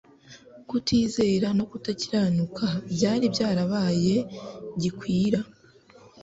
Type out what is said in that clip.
kutizera, no kudakiranuka byari byarabaye gikwira.